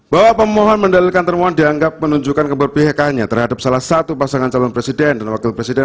bahwa pemohon mendalilkan termohon dianggap menunjukkan keberpihakannya terhadap salah satu pasangan calon presiden dan wakil presiden